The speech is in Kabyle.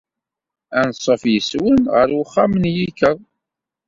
Anṣuf yes-wen ɣer uxxam n yikkeḍ.